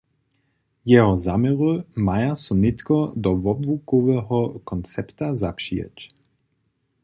Jeho zaměry maja so nětko do wobłukoweho koncepta zapřijeć.